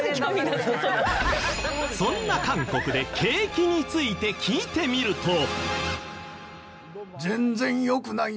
そんな韓国で景気について聞いてみると。